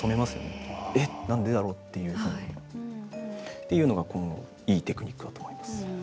っていうのがこのいいテクニックだと思います。